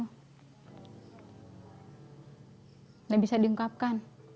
nggak bisa diungkapkan